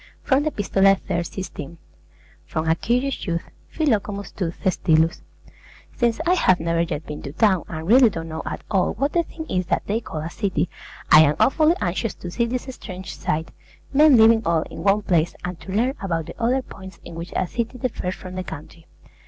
From the 'Epistolae,' iii. 16. FROM A CURIOUS YOUTH PHILOCOMUS TO THESTYLUS Since I have never yet been to town, and really don't know at all what the thing is that they call a city, I am awfully anxious to see this strange sight, men living all in one place, and to learn about the other points in which a city differs from the country.